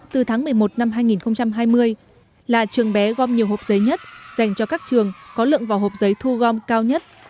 từ tháng một mươi một năm hai nghìn hai mươi là trường bé gom nhiều hộp giấy nhất dành cho các trường có lượng vào hộp giấy thu gom cao nhất